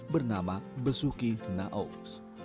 bernama besuki naos